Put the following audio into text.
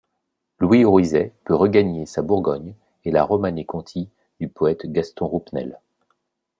Louis Orizet peut regagner sa Bourgogne et la Romanée Conti du poète Gaston Roupnel.